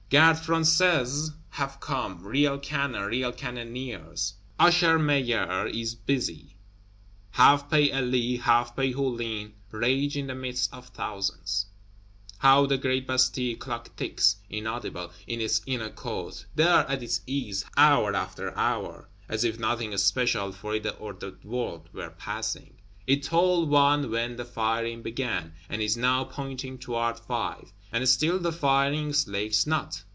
Gardes Françaises have come; real cannon, real cannoneers. Usher Maillard is busy; half pay Elie, half pay Hulin, rage in the midst of thousands. How the great Bastille clock ticks [inaudible] in its Inner Court, there, at its ease, hour after hour; as if nothing special, for it or the world, were passing! It tolled One when the firing began, and is now pointing toward Five, and still the firing slakes not.